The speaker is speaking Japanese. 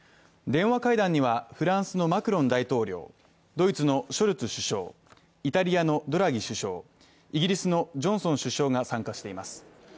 電話会談にはフランスのマクロン大統領ドイツのショルツ首相、イタリアのドラギ首相、イギリスのジョンソン首相が参加しています。